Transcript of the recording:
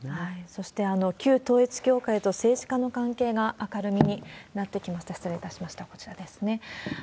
そして、旧統一教会と政治家の関係が明るみになってきました、失礼いたしました、こちらですね。